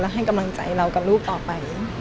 ให้กำลังใจเรากับลูกต่อไป